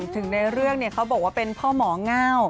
ถึงในเรื่องเขาบอกว่าเป็นพ่อหมอเง่า